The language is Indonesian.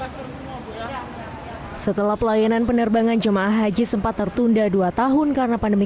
hai setelah pelayanan penerbangan jemaah haji sempat tertunda dua tahun karena pandemi